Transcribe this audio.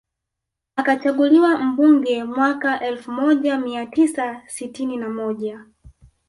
Akachaguliwa mbunge mwaka elfu moja mia tisa sitini na moja